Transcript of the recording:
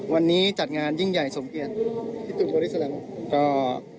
วันนี้จัดงานยิ่งใหญ่สมเกียรติที่ตูนบริษัทละครับ